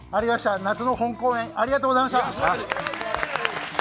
夏の本公演、ありがとうございました。